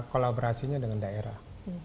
kolabrasinya dengan daerah